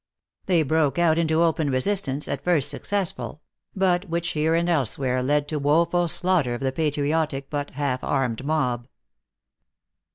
They broke out into open resistance, at first successful ; but which here and elsewhere led to woful slaughter of the patriotic but half armed mob."